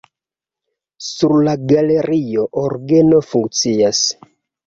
Sur la galerio orgeno funkcias.